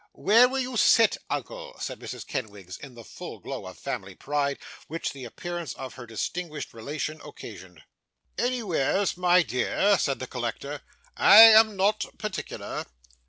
'Where will you sit, uncle?' said Mrs. Kenwigs, in the full glow of family pride, which the appearance of her distinguished relation occasioned. 'Anywheres, my dear,' said the collector, 'I am not particular.